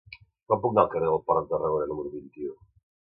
Com puc anar al carrer del Port de Tarragona número vint-i-u?